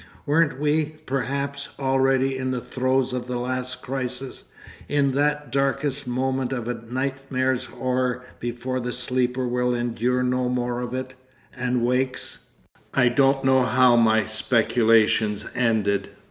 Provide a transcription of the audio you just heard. Weren't we, perhaps, already in the throes of the last crisis, in that darkest moment of a nightmare's horror before the sleeper will endure no more of it—and wakes? 'I don't know how my speculations ended.